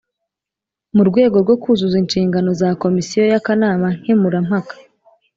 Mu rwego rwo kuzuza inshingano za Komisiyo y’akanama nkemurampaka